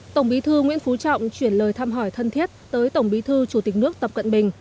tổng bí thư nguyễn phú trọng chuyển lời thăm hỏi thân thiết tới tổng bí thư chủ tịch nước tập cận bình